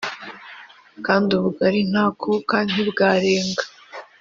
kandi ubugali ntakuka ntibwarenga m ,